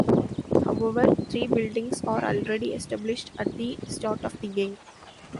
However, three buildings are already established at the start of the game.